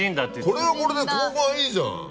これはこれでここがいいじゃん！